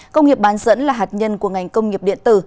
công nghiệp bán dẫn là hạt nhân của ngành công nghiệp điện tử